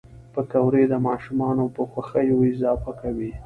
پکورې د ماشومانو په خوښیو اضافه کوي